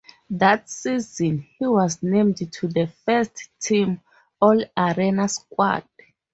That season, he was named to the First-team All-Arena squad.